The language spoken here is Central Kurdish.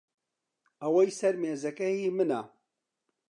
ئەوەی سەر مێزەکە هی منە.